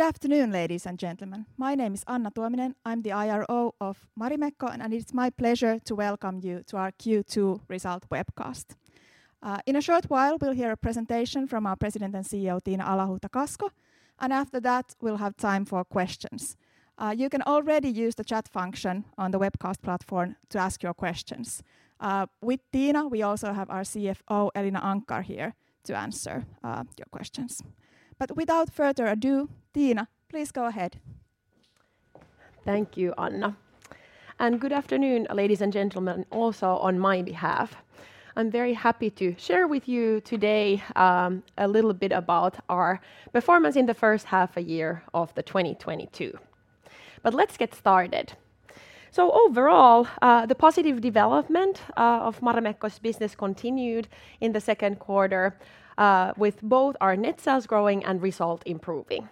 Good afternoon, ladies and gentlemen. My name is Anna Tuominen. I'm the IRO of Marimekko, and it's my pleasure to welcome you to our Q2 result webcast. In a short while, we'll hear a presentation from our president and CEO, Tiina Alahuhta-Kasko, and after that, we'll have time for questions. You can already use the chat function on the webcast platform to ask your questions. With Tiina, we also have our CFO, Elina Anckar, here to answer your questions. Without further ado, Tiina, please go ahead. Thank you, Anna, and good afternoon, ladies and gentlemen, also on my behalf. I'm very happy to share with you today, a little bit about our performance in the first half of the year of 2022. Let's get started. Overall, the positive development of Marimekko's business continued in the Q2 with both our net sales growing and result improving.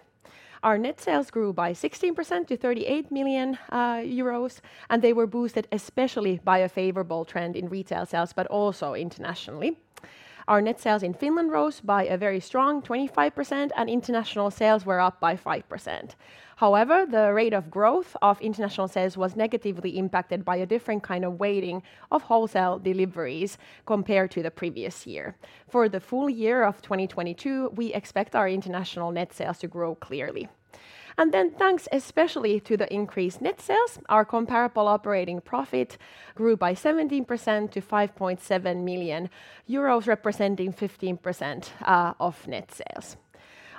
Our net sales grew by 16% to 38 million euros, and they were boosted especially by a favorable trend in retail sales, but also internationally. Our net sales in Finland rose by a very strong 25%, and international sales were up by 5%. However, the rate of growth of international sales was negatively impacted by a different kind of weighting of wholesale deliveries compared to the previous year. For the full year of 2022, we expect our international net sales to grow clearly. Thanks especially to the increased net sales, our comparable operating profit grew by 17% to 5.7 million euros, representing 15% of net sales.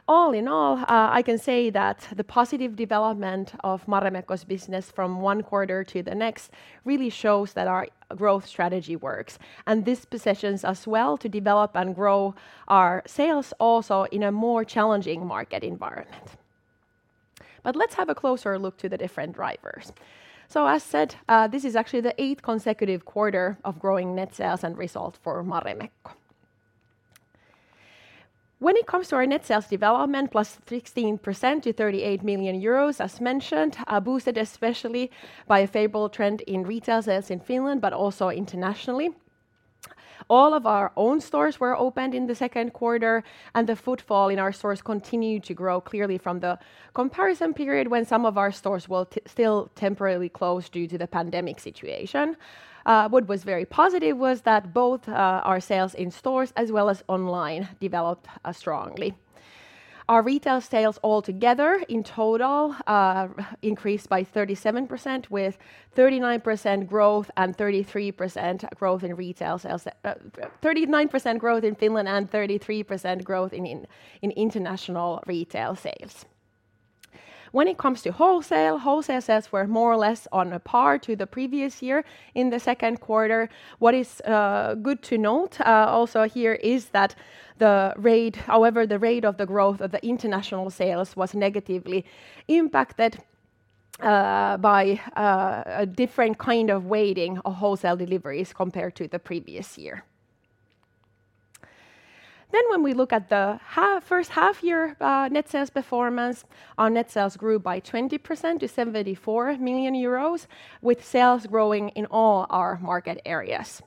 All in all, I can say that the positive development of Marimekko's business from one quarter to the next really shows that our growth strategy works, and this positions us well to develop and grow our sales also in a more challenging market environment. Let's have a closer look at the different drivers. As said, this is actually the 8th consecutive quarter of growing net sales and result for Marimekko. When it comes to our net sales development, +16% to 38 million euros, as mentioned, are boosted especially by a favorable trend in retail sales in Finland, but also internationally. All of our own stores were opened in the Q2, and the footfall in our stores continued to grow clearly from the comparison period when some of our stores were still temporarily closed due to the pandemic situation. What was very positive was that both our sales in stores as well as online developed strongly. Our retail sales all together in total increased by 37%, with 39% growth in Finland and 33% growth in international retail sales. When it comes to wholesale, sales were more or less on par to the previous year in the Q2. What is good to note also here is that the rate, however, of the growth of the international sales was negatively impacted by a different kind of weighting of wholesale deliveries compared to the previous year. When we look at the first half year net sales performance, our net sales grew by 20% to 74 million euros, with sales growing in all our market areas.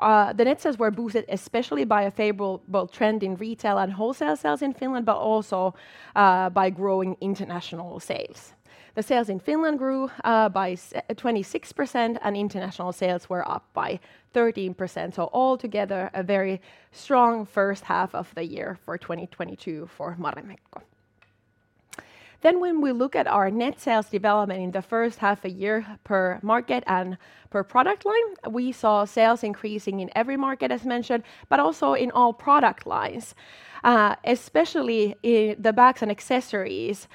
The net sales were boosted especially by a favorable both trend in retail and wholesale sales in Finland, but also by growing international sales. The sales in Finland grew by 26%, and international sales were up by 13%. All together, a very strong first half of the year for 2022 for Marimekko. When we look at our net sales development in the first half of the year per market and per product line, we saw sales increasing in every market, as mentioned, but also in all product lines. Especially the bags and accessories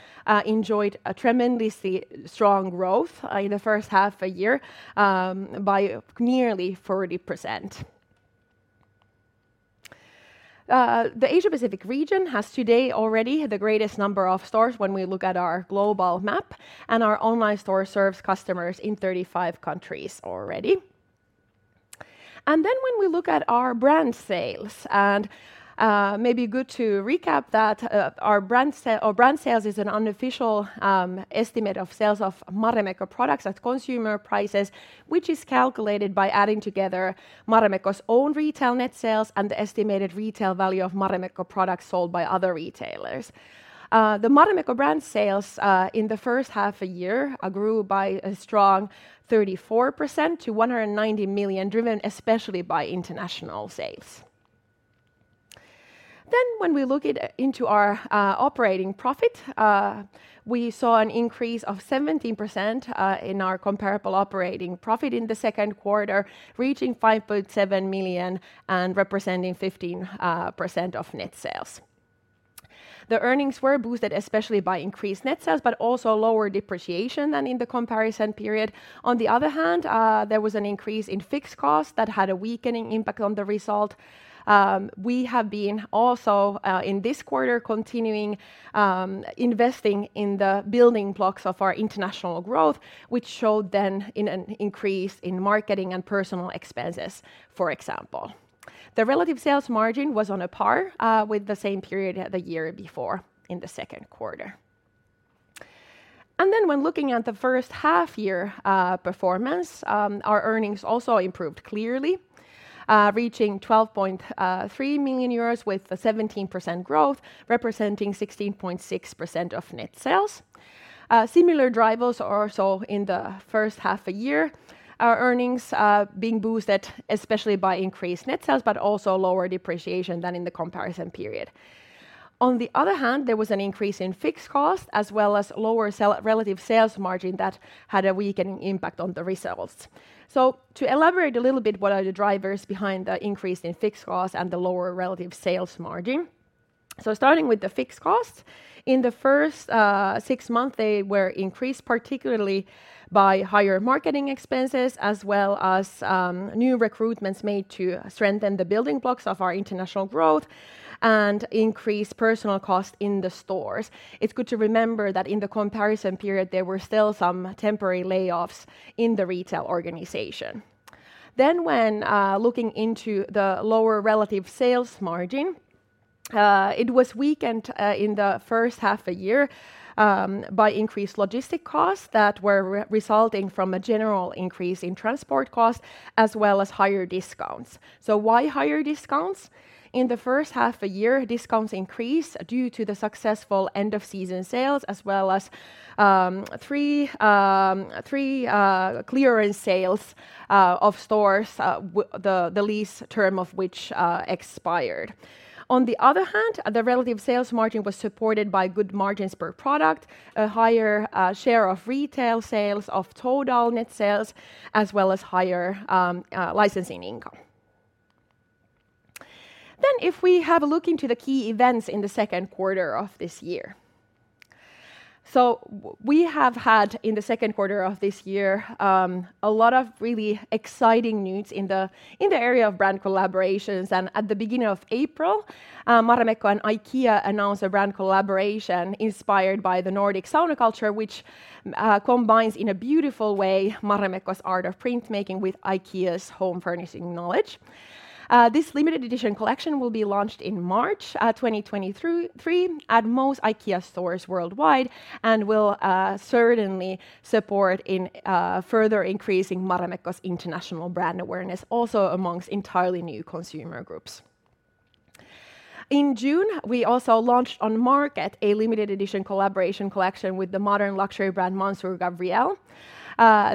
enjoyed a tremendously strong growth in the first half of the year by nearly 40%. The Asia-Pacific region has today already the greatest number of stores when we look at our global map, and our online store serves customers in 35 countries already. When we look at our brand sales, maybe good to recap that our brand sales is an unofficial estimate of sales of Marimekko products at consumer prices, which is calculated by adding together Marimekko's own retail net sales and the estimated retail value of Marimekko products sold by other retailers. The Marimekko brand sales in the first half a year grew by a strong 34% to 190 million, driven especially by international sales. When we look into our operating profit, we saw an increase of 17% in our comparable operating profit in the Q2, reaching 5.7 million and representing 15% of net sales. The earnings were boosted especially by increased net sales, but also lower depreciation than in the comparison period. On the other hand, there was an increase in fixed costs that had a weakening impact on the result. We have been also in this quarter continuing investing in the building blocks of our international growth, which showed then in an increase in marketing and personnel expenses, for example. The relative sales margin was on a par with the same period the year before in the Q2. When looking at the first half year performance, our earnings also improved clearly, reaching 12.3 million euros with a 17% growth, representing 16.6% of net sales. Similar drivers also in the first half a year, our earnings being boosted especially by increased net sales but also lower depreciation than in the comparison period. On the other hand, there was an increase in fixed cost as well as lower relative sales margin that had a weakening impact on the results. To elaborate a little bit what are the drivers behind the increase in fixed costs and the lower relative sales margin. Starting with the fixed costs, in the first six months, they were increased particularly by higher marketing expenses as well as new recruitments made to strengthen the building blocks of our international growth and increase personnel costs in the stores. It's good to remember that in the comparison period, there were still some temporary layoffs in the retail organization. When looking into the lower relative sales margin, it was weakened in the first half a year by increased logistic costs that were resulting from a general increase in transport costs as well as higher discounts. Why higher discounts? In the first half a year, discounts increased due to the successful end of season sales as well as three clearance sales of stores, the lease term of which expired. On the other hand, the relative sales margin was supported by good margins per product, a higher share of retail sales of total net sales, as well as higher licensing income. If we have a look into the key events in the Q2 of this year. We have had in the Q2 of this year a lot of really exciting news in the area of brand collaborations. At the beginning of April, Marimekko and IKEA announced a brand collaboration inspired by the Nordic sauna culture, which combines in a beautiful way Marimekko's art of printmaking with IKEA's home furnishing knowledge. This limited edition collection will be launched in March 2023 at most IKEA stores worldwide and will certainly support in further increasing Marimekko's international brand awareness also among entirely new consumer groups. In June, we also launched on market a limited edition collaboration collection with the modern luxury brand, Mansur Gavriel.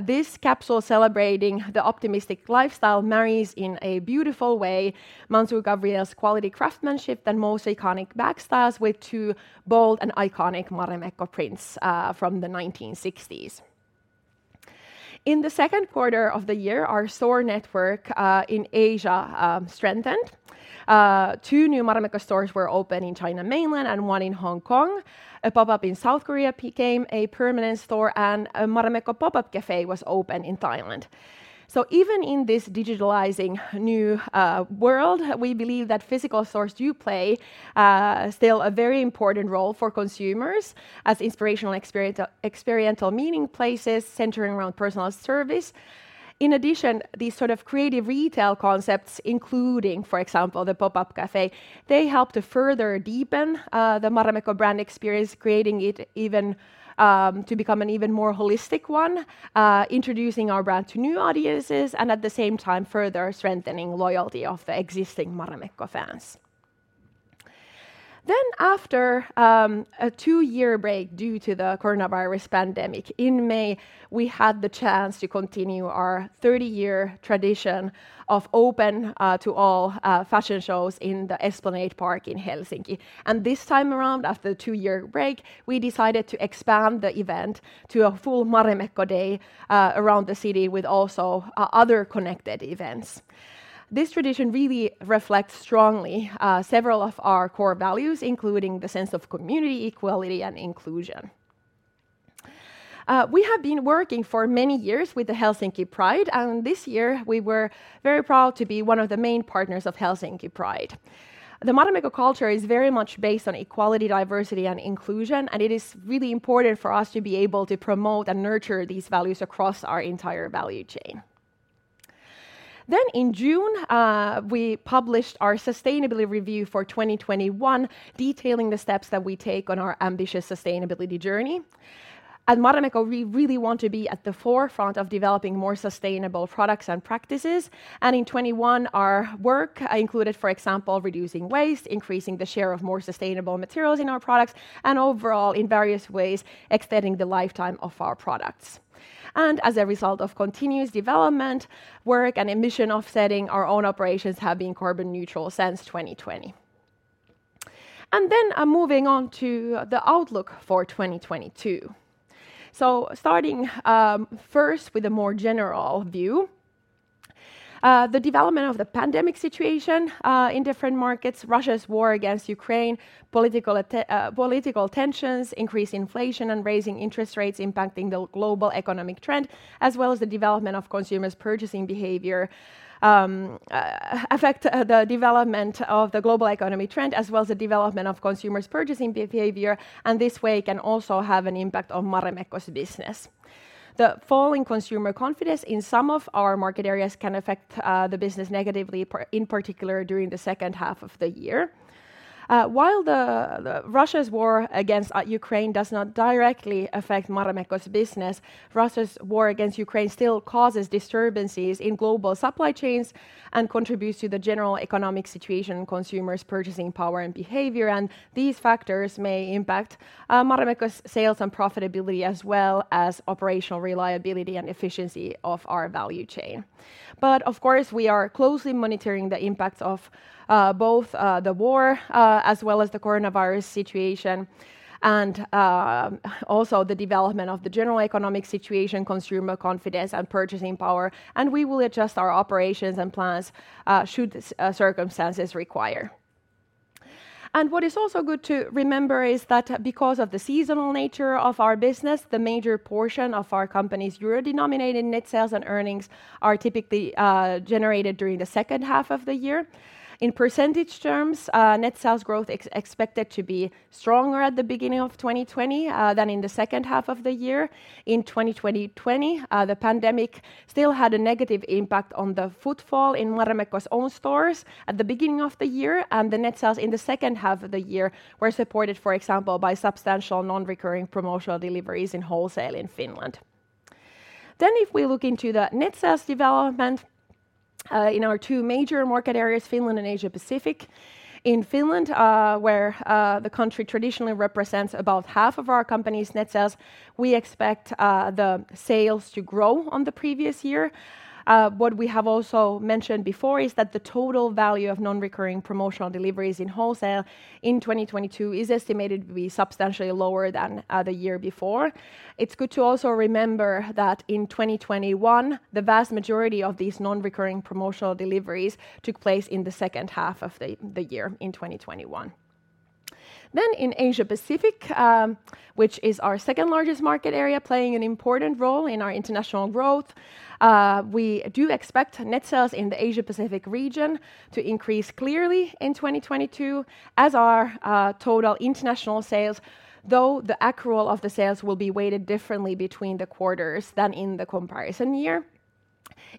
This capsule celebrating the optimistic lifestyle marries in a beautiful way Mansur Gavriel's quality craftsmanship and most iconic bag styles with two bold and iconic Marimekko prints from the 1960s. In the Q2 of the year, our store network in Asia strengthened. Two new Marimekko stores were opened in mainland China and one in Hong Kong. A pop-up in South Korea became a permanent store, and a Marimekko pop-up cafe was opened in Thailand. Even in this digitalizing new world, we believe that physical stores do play still a very important role for consumers as inspirational experiential meeting places centering around personal service. In addition, these sort of creative retail concepts, including, for example, the pop-up cafe, they help to further deepen the Marimekko brand experience, creating it even to become an even more holistic one, introducing our brand to new audiences and at the same time further strengthening loyalty of the existing Marimekko fans. After a 2-year break due to the coronavirus pandemic, in May, we had the chance to continue our 30-year tradition of open to all fashion shows in the Esplanade Park in Helsinki. This time around, after the 2-year break, we decided to expand the event to a full Marimekko day around the city with also other connected events. This tradition really reflects strongly several of our core values, including the sense of community, equality, and inclusion. We have been working for many years with the Helsinki Pride, and this year we were very proud to be one of the main partners of Helsinki Pride. The Marimekko culture is very much based on equality, diversity, and inclusion, and it is really important for us to be able to promote and nurture these values across our entire value chain. In June, we published our sustainability review for 2021, detailing the steps that we take on our ambitious sustainability journey. At Marimekko, we really want to be at the forefront of developing more sustainable products and practices. In 2021, our work included, for example, reducing waste, increasing the share of more sustainable materials in our products, and overall, in various ways, extending the lifetime of our products. As a result of continuous development work and emission offsetting, our own operations have been carbon neutral since 2020. Moving on to the outlook for 2022. Starting first with a more general view, the development of the pandemic situation in different markets, Russia's war against Ukraine, political tensions, increased inflation and rising interest rates impacting the global economic trend, as well as the development of consumers' purchasing behavior affect the development of the global economy trend, and this way can also have an impact on Marimekko's business. The falling consumer confidence in some of our market areas can affect the business negatively in particular during the second half of the year. While Russia's war against Ukraine does not directly affect Marimekko's business, Russia's war against Ukraine still causes disturbances in global supply chains and contributes to the general economic situation, consumers' purchasing power and behavior. These factors may impact Marimekko's sales and profitability as well as operational reliability and efficiency of our value chain. Of course, we are closely monitoring the impact of both the war as well as the coronavirus situation and also the development of the general economic situation, consumer confidence and purchasing power, and we will adjust our operations and plans should this circumstances require. What is also good to remember is that because of the seasonal nature of our business, the major portion of our company's euro-denominated net sales and earnings are typically generated during the second half of the year. In percentage terms, net sales growth expected to be stronger at the beginning of 2020 than in the second half of the year. In 2020, the pandemic still had a negative impact on the footfall in Marimekko's own stores at the beginning of the year, and the net sales in the second half of the year were supported, for example, by substantial non-recurring promotional deliveries in wholesale in Finland. If we look into the net sales development in our two major market areas, Finland and Asia Pacific. In Finland, where the country traditionally represents about half of our company's net sales, we expect the sales to grow on the previous year. What we have also mentioned before is that the total value of non-recurring promotional deliveries in wholesale in 2022 is estimated to be substantially lower than the year before. It's good to also remember that in 2021, the vast majority of these non-recurring promotional deliveries took place in the second half of the year in 2021. In Asia Pacific, which is our second largest market area playing an important role in our international growth, we do expect net sales in the Asia Pacific region to increase clearly in 2022 as our total international sales, though the accrual of the sales will be weighted differently between the quarters than in the comparison year.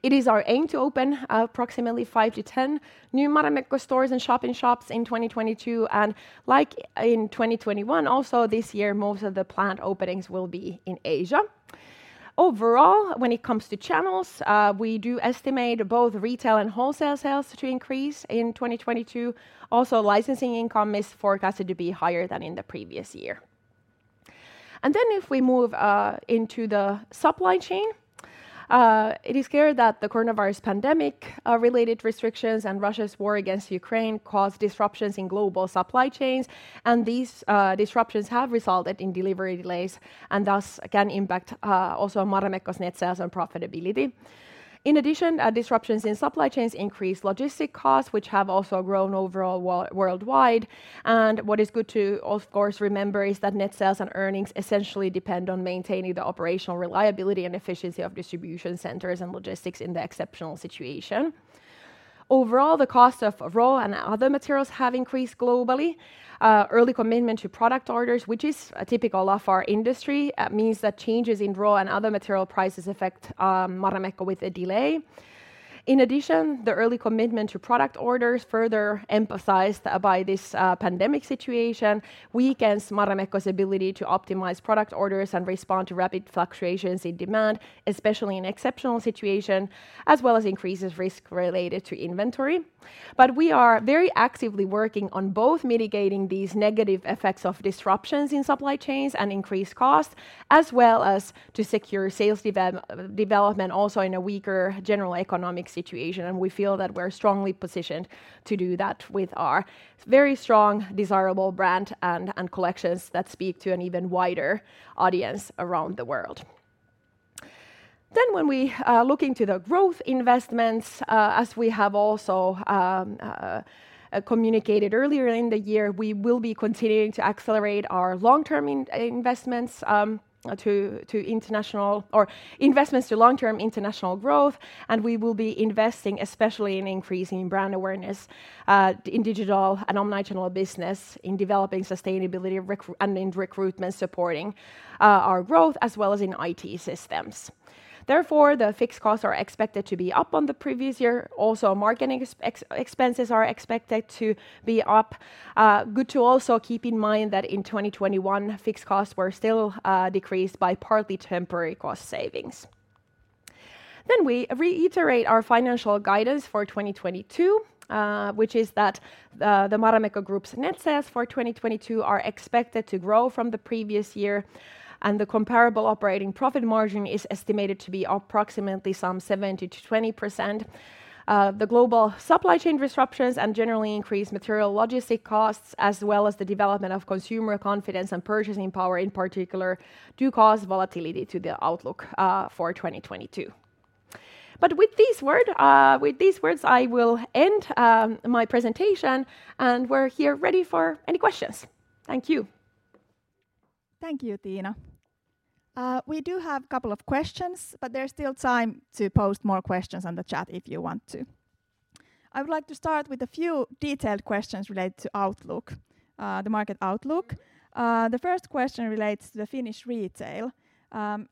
It is our aim to open approximately 5-10 new Marimekko stores and shop-in-shops in 2022, and like in 2021 also this year most of the planned openings will be in Asia. Overall, when it comes to channels, we do estimate both retail and wholesale sales to increase in 2022. Also, licensing income is forecasted to be higher than in the previous year. If we move into the supply chain, it is clear that the coronavirus pandemic-related restrictions and Russia's war against Ukraine cause disruptions in global supply chains, and these disruptions have resulted in delivery delays and thus can impact also Marimekko's net sales and profitability. In addition, disruptions in supply chains increase logistics costs which have also grown overall worldwide. What is good to of course remember is that net sales and earnings essentially depend on maintaining the operational reliability and efficiency of distribution centers and logistics in the exceptional situation. Overall, the cost of raw and other materials have increased globally. Early commitment to product orders, which is typical of our industry, means that changes in raw and other material prices affect Marimekko with a delay. In addition, the early commitment to product orders further emphasized by this pandemic situation weakens Marimekko's ability to optimize product orders and respond to rapid fluctuations in demand, especially in exceptional situation as well as increases risk related to inventory. We are very actively working on both mitigating these negative effects of disruptions in supply chains and increased costs, as well as to secure sales development also in a weaker general economic situation. We feel that we're strongly positioned to do that with our very strong desirable brand and collections that speak to an even wider audience around the world. When we look into the growth investments, as we have also communicated earlier in the year, we will be continuing to accelerate our long-term investments to international investments to long-term international growth, and we will be investing especially in increasing brand awareness in digital and omnichannel business, in developing sustainability and in recruitment supporting our growth as well as in IT systems. Therefore, the fixed costs are expected to be up on the previous year. Also, marketing expenses are expected to be up. Good to also keep in mind that in 2021 fixed costs were still decreased by partly temporary cost savings. We reiterate our financial guidance for 2022, which is that the Marimekko Group's net sales for 2022 are expected to grow from the previous year, and the comparable operating profit margin is estimated to be approximately some 17%-20%. The global supply chain disruptions and generally increased material logistic costs as well as the development of consumer confidence and purchasing power in particular do cause volatility to the outlook for 2022. With these words, I will end my presentation, and we're here ready for any questions. Thank you. Thank you, Tiina. We do have a couple of questions, but there's still time to post more questions on the chat if you want to. I would like to start with a few detailed questions related to outlook, the market outlook. The first question relates to the Finnish retail.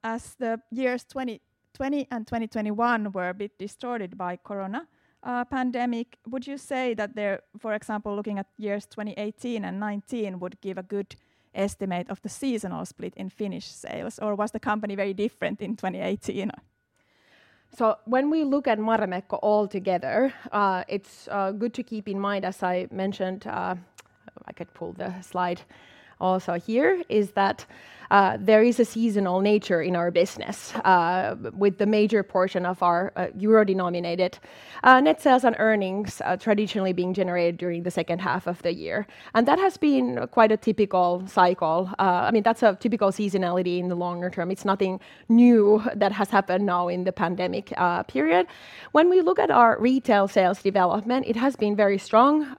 As the years 2020 and 2021 were a bit distorted by corona pandemic, would you say that they're, for example, looking at years 2018 and 2019 would give a good estimate of the seasonal split in Finnish sales, or was the company very different in 2018? When we look at Marimekko all together, it's good to keep in mind, as I mentioned, I could pull the slide also here, is that there is a seasonal nature in our business, with the major portion of our euro-denominated net sales and earnings traditionally being generated during the second half of the year. That has been quite a typical cycle. I mean, that's a typical seasonality in the longer term. It's nothing new that has happened now in the pandemic period. When we look at our retail sales development, it has been very strong.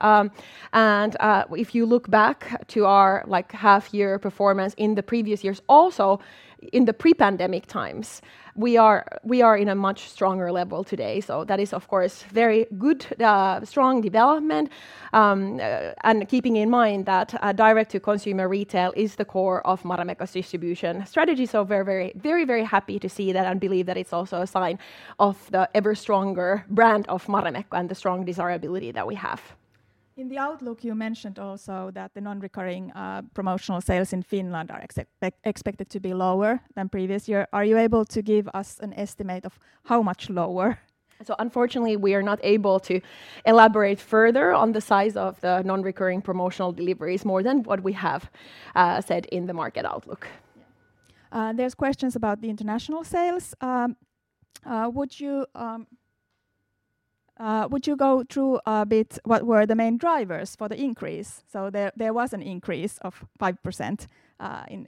If you look back to our, like, half year performance in the previous years also in the pre-pandemic times, we are in a much stronger level today. That is, of course, very good, strong development. Keeping in mind that direct-to-consumer retail is the core of Marimekko's distribution strategy. Very happy to see that and believe that it's also a sign of the ever stronger brand of Marimekko and the strong desirability that we have. In the outlook, you mentioned also that the non-recurring promotional sales in Finland are expected to be lower than previous year. Are you able to give us an estimate of how much lower? Unfortunately, we are not able to elaborate further on the size of the non-recurring promotional deliveries more than what we have said in the market outlook. Yeah. There's questions about the international sales. Would you go through a bit what were the main drivers for the increase? There was an increase of 5%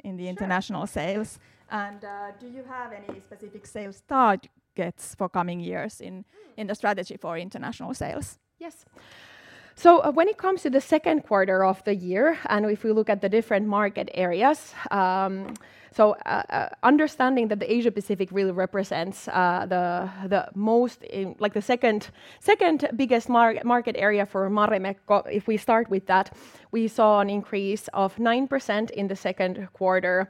in the international sales. Sure. And do you have any specific sales targets for coming years in. Mm In the strategy for international sales? Yes. When it comes to the Q2 of the year, and if we look at the different market areas, understanding that the Asia-Pacific really represents the most, like, the second biggest market area for Marimekko, if we start with that, we saw an increase of 9% in the Q2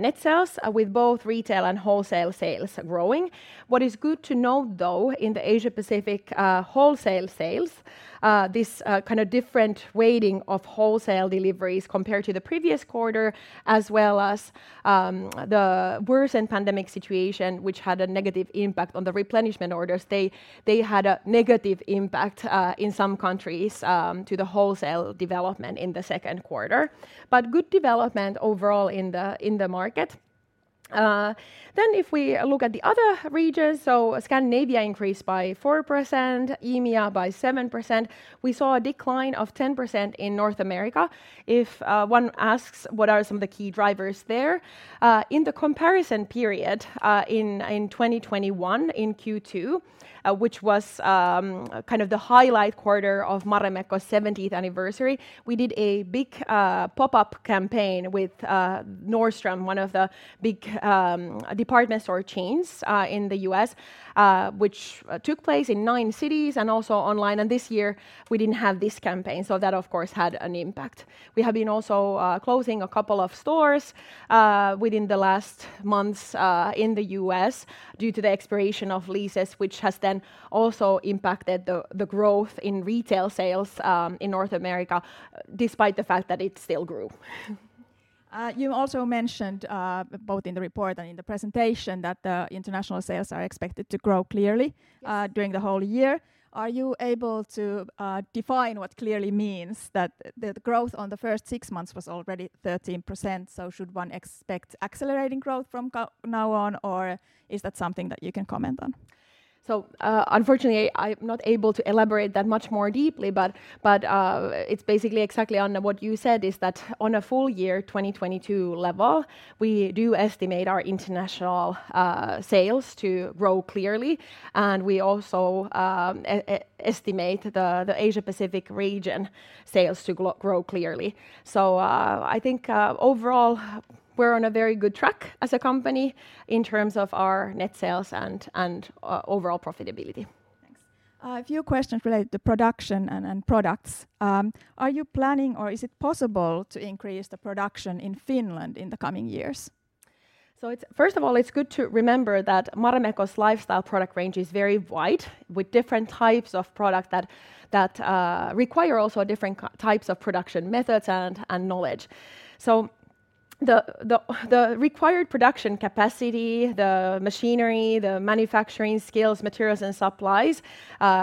net sales with both retail and wholesale sales growing. What is good to note, though, in the Asia-Pacific, wholesale sales, this kind of different weighting of wholesale deliveries compared to the previous quarter, as well as the worsened pandemic situation, which had a negative impact on the replenishment orders. They had a negative impact in some countries to the wholesale development in the Q2, but good development overall in the market. If we look at the other regions, Scandinavia increased by 4%, EMEA by 7%. We saw a decline of 10% in North America. If one asks what are some of the key drivers there, in the comparison period, in 2021, in Q2, which was kind of the highlight quarter of Marimekko's 70th anniversary, we did a big pop-up campaign with Nordstrom, one of the big department store chains in the U.S., which took place in nine cities and also online. This year we didn't have this campaign, so that of course had an impact. We have been also closing a couple of stores within the last months in the U.S. due to the expiration of leases, which has then also impacted the growth in retail sales in North America, despite the fact that it still grew. You also mentioned both in the report and in the presentation that the international sales are expected to grow clearly. Yes during the whole year. Are you able to define what clearly means that the growth in the first six months was already 13%, so should one expect accelerating growth from now on, or is that something that you can comment on? Unfortunately, I'm not able to elaborate that much more deeply, but it's basically exactly, Anna, what you said is that on a full year 2022 level, we do estimate our international sales to grow clearly. We also estimate the Asia-Pacific region sales to grow clearly. I think overall we're on a very good track as a company in terms of our net sales and overall profitability. Thanks. A few questions related to production and products. Are you planning or is it possible to increase the production in Finland in the coming years? It's good to remember that Marimekko's lifestyle product range is very wide with different types of product that require also different kinds of production methods and knowledge. The required production capacity, the machinery, the manufacturing skills, materials and supplies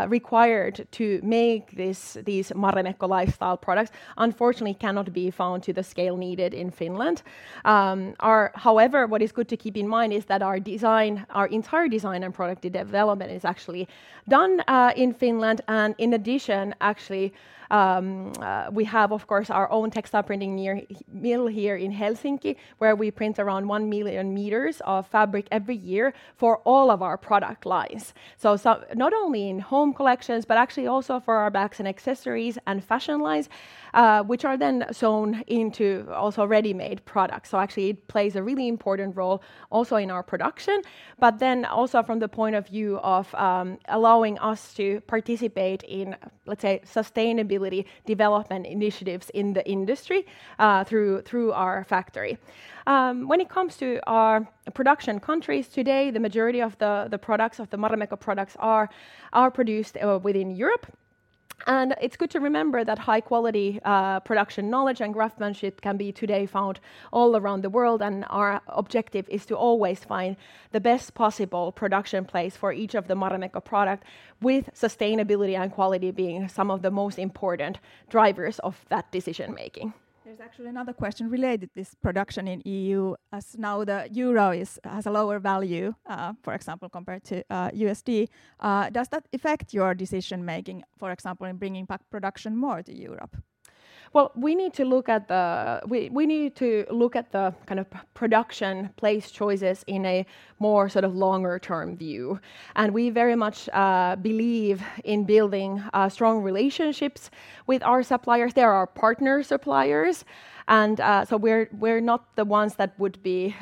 required to make these Marimekko lifestyle products unfortunately cannot be found to the scale needed in Finland. However, what is good to keep in mind is that our design, our entire design and product development is actually done in Finland. In addition, actually, we have of course our own textile printing mill here in Helsinki, where we print around 1 million meters of fabric every year for all of our product lines. Not only in home collections, but actually also for our bags and accessories and fashion lines, which are then sewn into also ready-made products. Actually it plays a really important role also in our production, but then also from the point of view of allowing us to participate in, let's say, sustainability development initiatives in the industry, through our factory. When it comes to our production countries today, the majority of the products of the Marimekko products are produced within Europe. It's good to remember that high quality production knowledge and craftsmanship can be today found all around the world, and our objective is to always find the best possible production place for each of the Marimekko product with sustainability and quality being some of the most important drivers of that decision-making. There's actually another question related to this production in E.U. As now the euro has a lower value, for example, compared to USD, does that affect your decision-making, for example, in bringing back production more to Europe? We need to look at the kind of production place choices in a more sort of longer term view, and we very much believe in building strong relationships with our suppliers. They're our partner suppliers and so we're not the ones that would be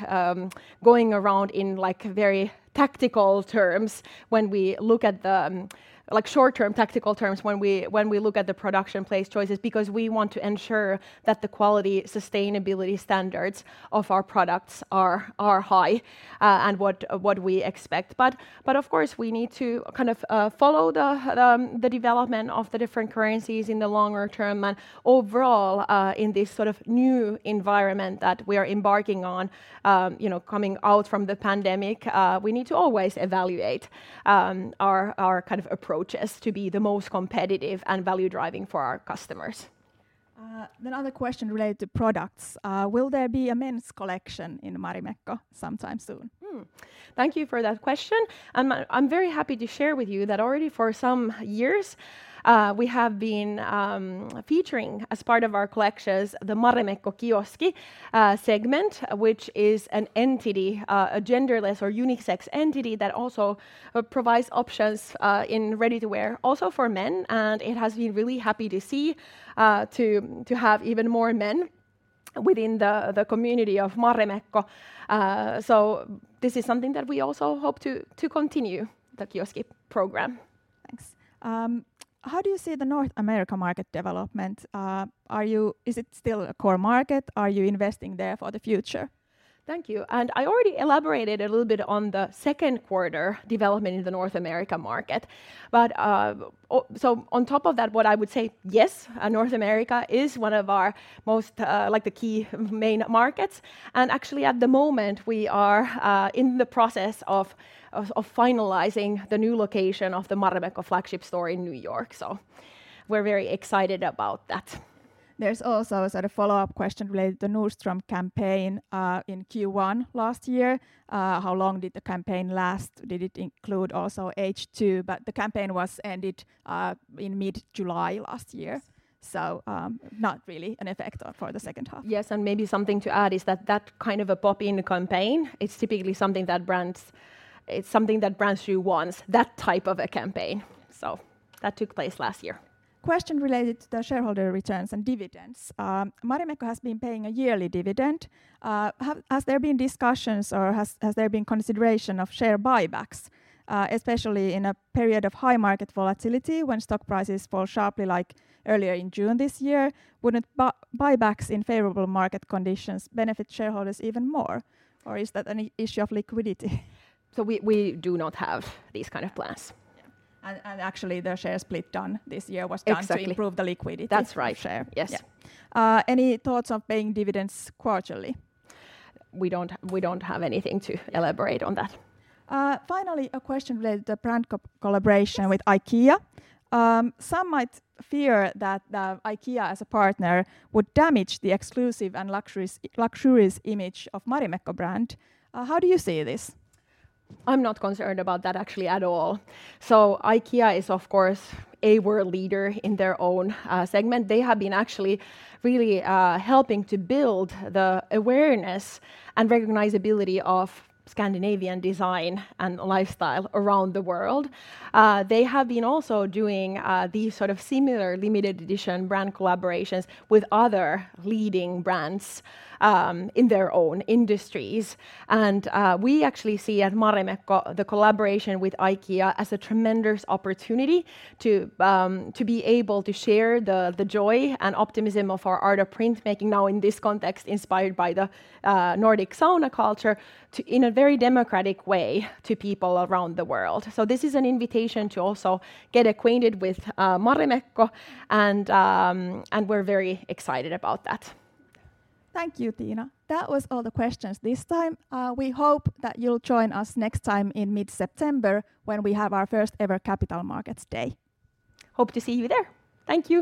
going around in like very tactical terms when we look at the like short-term tactical terms when we look at the production place choices because we want to ensure that the quality sustainability standards of our products are high and what we expect. Of course we need to kind of follow the development of the different currencies in the longer term and overall, in this sort of new environment that we're embarking on, you know, coming out from the pandemic. We need to always evaluate our kind of approaches to be the most competitive and value-driving for our customers. Another question related to products. Will there be a men's collection in Marimekko sometime soon? Thank you for that question, and I'm very happy to share with you that already for some years, we have been featuring as part of our collections the Marimekko Kioski segment, which is an entity, a genderless or unisex entity that also provides options in ready-to-wear also for men, and it has been really happy to see to have even more men within the community of Marimekko. So this is something that we also hope to continue, the Kioski program. Thanks. How do you see the North America market development? Is it still a core market? Are you investing there for the future? Thank you. I already elaborated a little bit on the Q2 development in the North America market. On top of that, what I would say, yes, North America is one of our most, like the key main markets. Actually, at the moment, we are in the process of finalizing the new location of the Marimekko flagship store in New York. We're very excited about that. There's also a sort of follow-up question related to the Nordstrom campaign in Q1 last year. How long did the campaign last? Did it include also H2? The campaign was ended in mid-July last year. Yes. Not really an effect for the second half. Yes, maybe something to add is that that kind of a pop-up campaign. It's typically something that brands do once, that type of a campaign. That took place last year. Question related to the shareholder returns and dividends. Marimekko has been paying a yearly dividend. Has there been discussions or has there been consideration of share buybacks, especially in a period of high market volatility when stock prices fall sharply like earlier in June this year? Wouldn't buybacks in favorable market conditions benefit shareholders even more, or is that an issue of liquidity? We do not have these kind of plans. Yeah. Actually, the share split done this year was done. Exactly To improve the liquidity. That's right. Of share. Yes. Yeah. Any thoughts of paying dividends quarterly? We don't have anything to elaborate on that. Finally, a question related to brand collaboration with IKEA. Some might fear that IKEA as a partner would damage the exclusive and luxurious image of Marimekko brand. How do you see this? I'm not concerned about that actually at all. IKEA is of course a world leader in their own segment. They have been actually really helping to build the awareness and recognizability of Scandinavian design and lifestyle around the world. They have been also doing these sort of similar limited edition brand collaborations with other leading brands in their own industries. We actually see at Marimekko the collaboration with IKEA as a tremendous opportunity to be able to share the joy and optimism of our art of printmaking now in this context inspired by the Nordic sauna culture to in a very democratic way to people around the world. This is an invitation to also get acquainted with Marimekko and we're very excited about that. Thank you, Tiina. That was all the questions this time. We hope that you'll join us next time in mid-September when we have our first ever Capital Markets Day. Hope to see you there. Thank you.